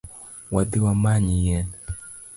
Wadhi wamany yien